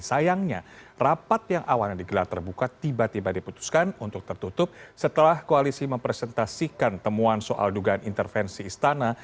sayangnya rapat yang awalnya digelar terbuka tiba tiba diputuskan untuk tertutup setelah koalisi mempresentasikan temuan soal dugaan intervensi istana